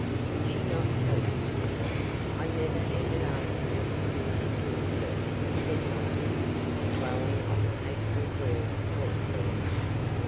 "Would she not tell you?" "I never even asked her who seduced her," said Margaret, dwelling on the hateful word thoughtfully.